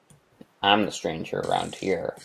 I'm the stranger around here.